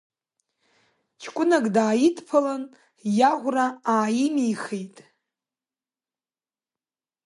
Ҷкәынак дааидԥалан, иаӷәра ааимеихит.